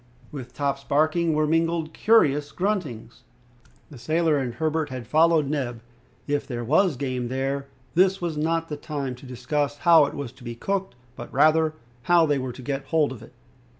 With Top's barking were mingled curious gruntings. The sailor and Herbert had followed Neb. If there was game there this was not the time to discuss how it was to be cooked, but rather, how they were to get hold of it.